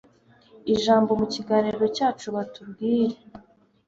ijambo mu kiganiro cyacu batubwire.